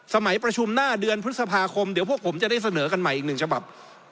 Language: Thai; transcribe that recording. สมัยประชุมหน้าเดือนพฤษภาคมเดี๋ยวพวกผมจะได้เสนอกันใหม่อีกหนึ่งฉบับ